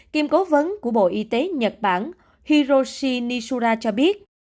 kiêm cố vấn của bộ y tế nhật bản hiroshi nisura cho biết